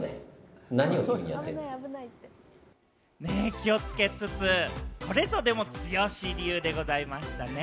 気をつけつつ、これぞ、でも剛流でございましたね。